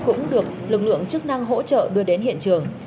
cũng được lực lượng chức năng hỗ trợ đưa đến hiện trường